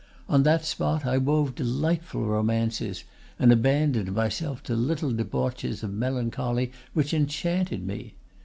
On that spot I wove delightful romances, and abandoned myself to little debauches of melancholy which enchanted me.